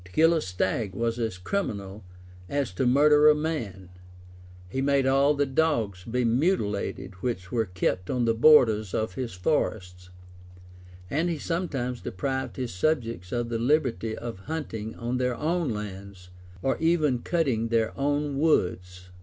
To kill a stag was as criminal as to murder a man: he made all the dogs be mutilated which were kept on the borders of his forests; and he sometimes deprived his subjects of the liberty of hunting on their own lands, or even cutting their own woods.